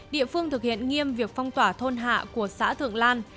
địa phương thực hiện nghiêm việc phong tỏa thôn hạ của xã thượng lan